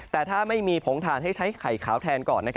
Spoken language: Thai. แต่ถ้าไม่มีผงถ่านให้ใช้ไข่ขาวแทนก่อน